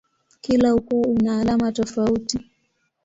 Kila ukoo una alama tofauti.